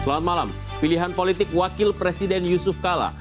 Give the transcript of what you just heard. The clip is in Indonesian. selamat malam pilihan politik wakil presiden yusuf kala